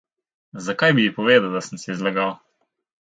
Zakaj bi ji povedal, da sem se ji zlagal?